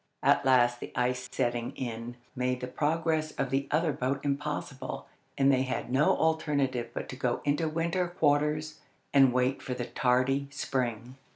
At last the ice setting in made the progress of the other boat impossible, and they had no alternative but to go into winter quarters and wait for the tardy spring.